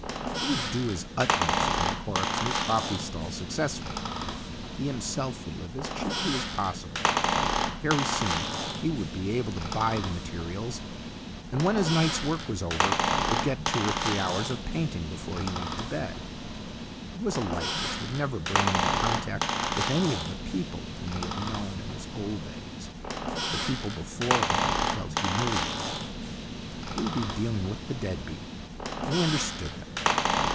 He would do his utmost to make Horrocks's new coffee stall successful. He himself would live as cheaply as possible. Very soon he would be able to buy the materials, and, when his night's work was over, THE LAST CHANCE 121 would get two or three hours of painting before he went to bed. It was a life which would never bring him into contact with any of the people whom he had known in his old days the people before whom he felt humiliated. He would be dealing with the dead beat, and he understood them.